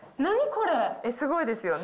すごいですよね。